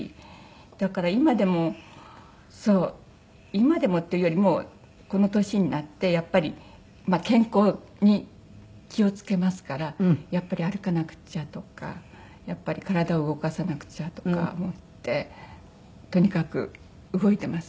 だから今でも今でもっていうよりもうこの年になってやっぱり健康に気を付けますからやっぱり歩かなくちゃとか体動かさなくちゃとか思ってとにかく動いてますね。